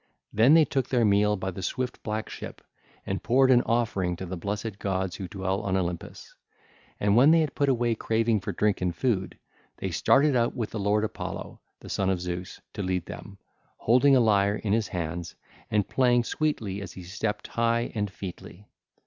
Then they took their meal by the swift, black ship, and poured an offering to the blessed gods who dwell on Olympus. And when they had put away craving for drink and food, they started out with the lord Apollo, the son of Zeus, to lead them, holding a lyre in his hands, and playing sweetly as he stepped high and featly.